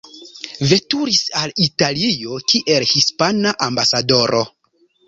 Veturis al Italio kiel hispana ambasadoro.